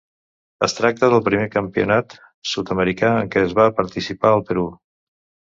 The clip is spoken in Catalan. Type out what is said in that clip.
Es tracta del primer Campionat Sud-americà en què va participar el Perú.